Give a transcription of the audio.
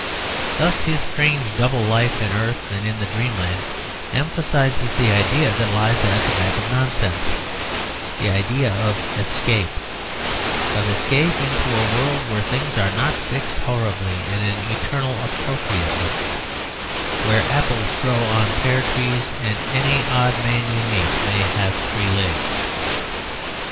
Thus his strange double life in earth and in dreamland emphasizes the idea that lies at the back of nonsense the idea of escape, of escape into a world where things are not fixed horribly in an eternal appropriateness, where apples grow on pear trees, and any odd man you meet may have three legs.